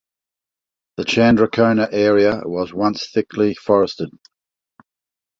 The Chandrakona area was once thickly forested.